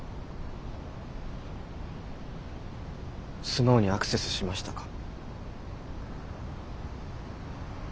スノウにアクセスしましたか？